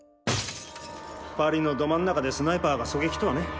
パリのど真ん中でスナイパーが狙撃とはね。